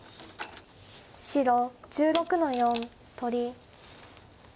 白１６の四取り。